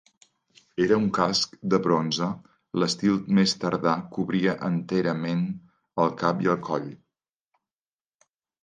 Era un casc de bronze, l'estil més tardà cobria enterament el cap i el coll.